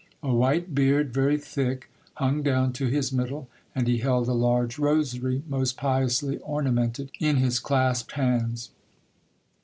A white beard, very thick, hung down to his middle, and he held a large rosary, most piously ornamented, in his clasped hands.